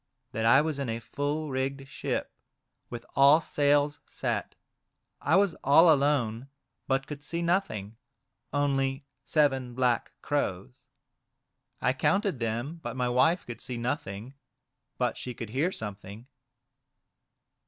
" That I was in a full rigged ship, with all sails set ; I was all alone, but could see nothing, only seven black crows. I counted them, but my wife could see nothing, but she could hear something."